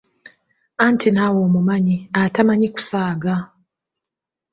Anti naawe omumanyi atamanyi kusaaga…..!